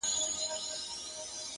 چي ټوله ورځ ستا د مخ لمر ته ناست وي _